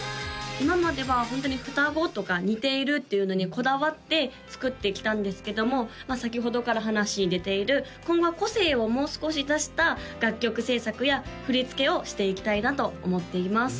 今まではホントに双子とか似ているっていうのにこだわって作ってきたんですけども先ほどから話に出ている今後は個性をもう少し出した楽曲制作や振り付けをしていきたいなと思っています